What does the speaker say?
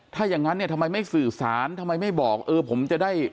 ถ้าอย่างนั้นเนี่ยทำไมไม่สื่อสารทำไมไม่บอกเออผมจะได้